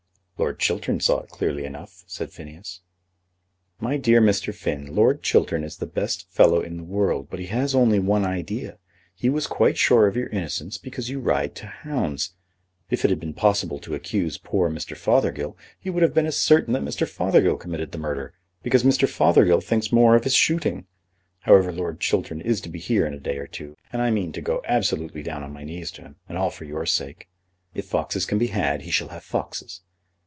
"Lord Chiltern saw it clearly enough," said Phineas. "My dear Mr. Finn, Lord Chiltern is the best fellow in the world, but he has only one idea. He was quite sure of your innocence because you ride to hounds. If it had been found possible to accuse poor Mr. Fothergill, he would have been as certain that Mr. Fothergill committed the murder, because Mr. Fothergill thinks more of his shooting. However, Lord Chiltern is to be here in a day or two, and I mean to go absolutely down on my knees to him, and all for your sake. If foxes can be had, he shall have foxes.